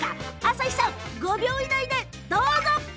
朝日さん、５秒以内でどうぞ。